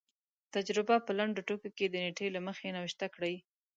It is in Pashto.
تجربه په لنډو ټکو کې د نېټې له مخې نوشته کړي.